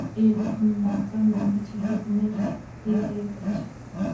Ээ, бурхан минь, онгоцоор нүүнэ гэж хэлээгүй маань л дээд заяа болж.